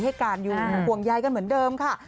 ให้การอยู่ห่วงใยกันเหมือนเดิมค่ะ